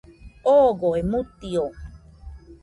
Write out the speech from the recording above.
Ogoe mutio